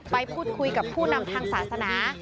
ไปพูดคุยกับผู้นำทางศาสนา